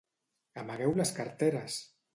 Amagueu les carteres!